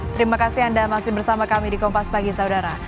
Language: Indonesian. terima kasih anda masih bersama kami di kompas pagi saudara